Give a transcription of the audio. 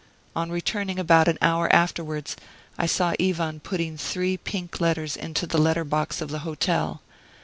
On returning about an hour afterwards I saw Ivan putting three pink letters into the letter box of the hotel.